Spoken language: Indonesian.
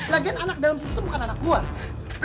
lagian anak dalam situ tuh bukan anak gue